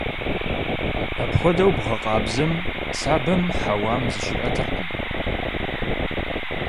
Апхуэдэу бгъэкъабзэм сабэм хьэуам зыщиӀэтыркъым.